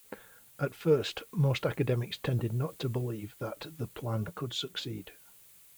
At first, most academics tended not to believe that the Plan could succeed.